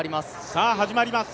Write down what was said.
さぁ、始まります。